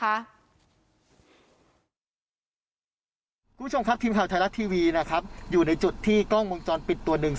คุณผู้ชมครับทีมข่าวไทยรัฐทีวีนะครับอยู่ในจุดที่กล้องวงจรปิดตัวหนึ่ง